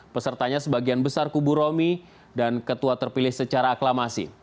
pesertanya sebagian besar kubu romi dan ketua terpilih secara aklamasi